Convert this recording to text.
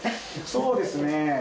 そうですね。